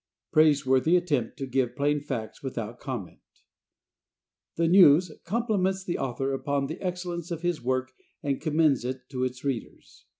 "Praiseworthy Attempt to Give Plain Facts Without Comment." The "News" compliments the author upon the excellence of his work and commends it to its readers.